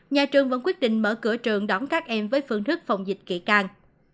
nhà trường vẫn quyết định mở cửa trường đón các em với phương thức phòng dịch kỳ can